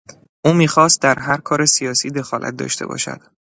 او میخواست در هر کار سیاسی دخالت داشته باشد.